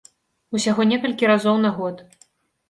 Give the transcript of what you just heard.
Усяго некалькі разоў на год.